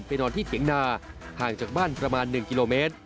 นอนที่เถียงนาห่างจากบ้านประมาณ๑กิโลเมตร